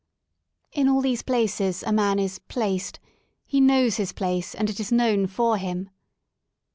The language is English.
In all these places a man is placed "; he knows his place and it is known for him.